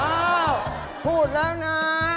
อ้าวพูดแล้วนะ